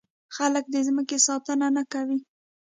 خلک د ځمکې ساتنه نه کوي.